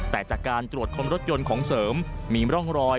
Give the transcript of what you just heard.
แต่จากการตรวจคมรถยนต์ของเสริมมีร่องรอย